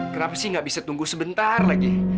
kenapa sih nggak bisa tunggu sebentar lagi